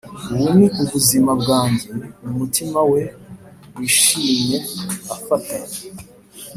ubu ni ubuzima bwanjye, mu mutima we wishimye afata,